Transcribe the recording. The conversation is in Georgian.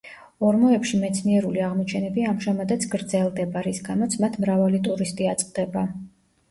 ორმოებში მეცნიერული აღმოჩენები ამჟამადაც გრძელდება, რის გამოც მათ მრავალი ტურისტი აწყდება.